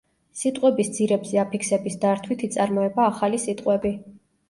სიტყვების ძირებზე აფიქსების დართვით იწარმოება ახალი სიტყვები.